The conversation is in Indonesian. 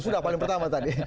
sudah paling pertama tadi